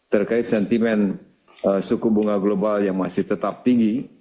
terkait sentimen suku bunga global yang masih tetap tinggi